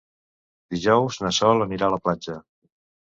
Dijous na Sol anirà a la platja.